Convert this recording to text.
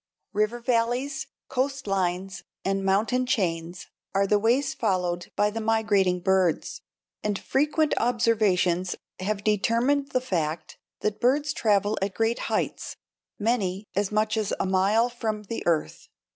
_ River valleys, coast lines, and mountain chains are the ways followed by the migrating birds; and frequent observations have determined the fact that birds travel at great heights, many as much as a mile from the earth.